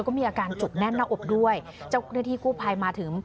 ก็มีอาการจุกแน่นหน้าอกด้วยเจ้าหน้าที่กู้ภัยมาถึง